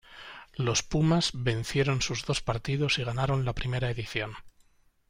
Los Pumas vencieron sus dos partidos y ganaron la primera edición.